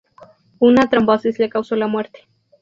Una trombosis le causó la muerte.